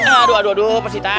aduh aduh aduh pak sita